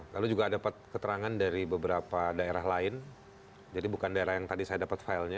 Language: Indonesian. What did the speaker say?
lalu juga dapat keterangan dari beberapa daerah lain jadi bukan daerah yang tadi saya dapat filenya